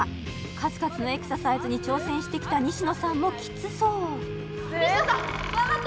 数々のエクササイズに挑戦してきた西野さんもきつそうはい頑張って！